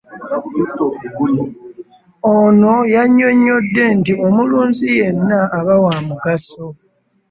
Ono yannyonnyodde nti omulunzi yenna aba wa mugaso